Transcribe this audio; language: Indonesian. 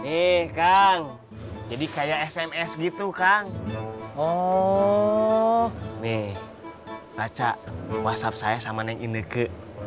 eh kang jadi kayak sms gitu kang oh nih baca whatsapp saya sama neng ineke